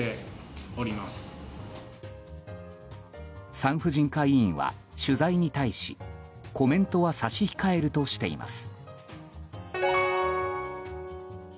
産婦人科医院は取材に対しコメントは差し控えるとしています。